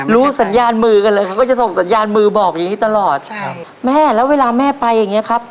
รู้สัญญาณมือกันเลยเขาก็ส่งสัญญาณมือบอกอย่างนี้ตลอด